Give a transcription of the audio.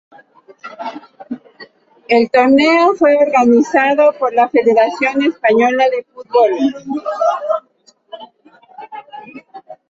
El torneo fue organizado por la Federación Española de Fútbol.